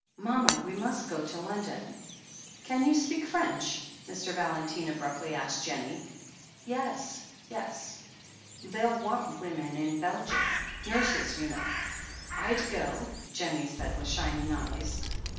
Mama, we must go to London." "Can you speak French?" Mr. Valentine abruptly asked Jennie. "Yes, yes." "They'll want women in Belgium — ^nurses, you know." "I'd go," Jennie said, with shining eyes.